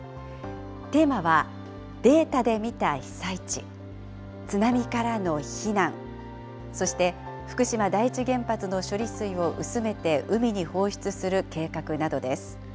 テーマは、データで見た被災地、津波からの避難、そして福島第一原発の処理水を薄めて海に放出する計画などです。